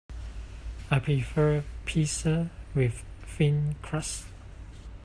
I prefer pizza with thin crust.